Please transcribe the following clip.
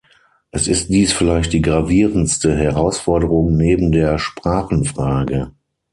Es ist dies vielleicht die gravierendste Herausforderung neben der Sprachenfrage.